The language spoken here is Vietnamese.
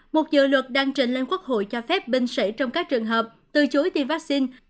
một dự luật đang trình lên quốc hội cho phép binh sĩ trong các trường hợp từ chối tiêm vaccine